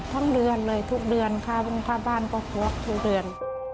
ทั้งเดือนเลยทุกเดือนค่ะบ้านก็ควบคุมทุกเดือน